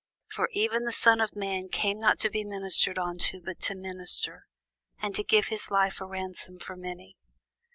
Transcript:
For even the Son of man came not to be ministered unto, but to minister, and to give his life a ransom for many.